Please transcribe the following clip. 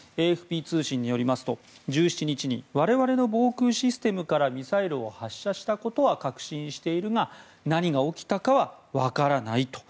ＡＦＰ通信によりますと１７日に我々の防空システムからミサイルを発射したことは確信しているが何が起きたかは分からないと。